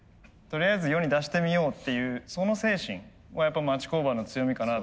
とりあえず世に出してみようっていうその精神はやっぱ町工場の強みかなと思います。